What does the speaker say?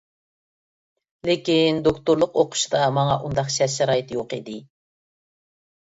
لېكىن، دوكتورلۇق ئوقۇشىدا ماڭا ئۇنداق شەرت-شارائىت يوق ئىدى.